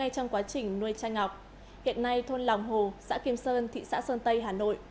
mô hình nuôi chai ngọt hiện nay thôn lòng hồ xã kim sơn thị xã sơn tây hà nội